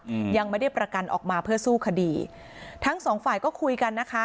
อืมยังไม่ได้ประกันออกมาเพื่อสู้คดีทั้งสองฝ่ายก็คุยกันนะคะ